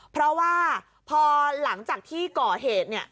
เพราะว่าพอหลังจากที่ก่อเหตุเนี่ย